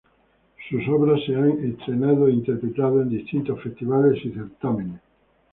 Sus obras se han estrenado e interpretado en distintos festivales y certámenes.